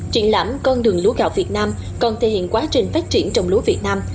triển lãm con đường lúa gạo việt nam còn thể hiện quá trình phát triển trong lúa việt nam